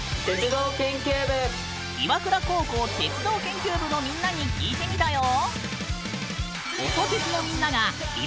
岩倉高校鉄道研究部のみんなに聞いてみたよ。